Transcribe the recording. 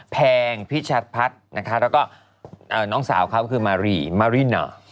แพงพิชพัฒน์นะคะแล้วก็น้องสาวเขาคือมารีมาริน